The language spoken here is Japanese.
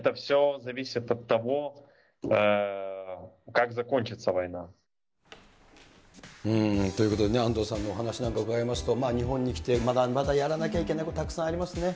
将来については。ということでね、アントンさんのお話なんかを伺いますと、まあ日本に来て、まだやらなきゃいけないこと、たくさんありますね。